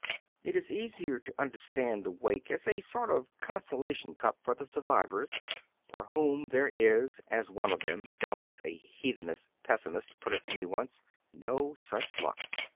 It is easier to understand the wake as a sort of consolation cup for the survivors for whom there is— as one of them, doubtless a heathenish pessimist, put it to me once — ^"no snch luck."